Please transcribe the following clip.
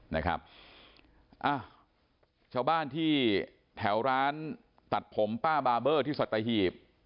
นะครับอ้าวชาวบ้านที่แถวร้านตัดผมป้าบาเบอร์ที่สัตหีบ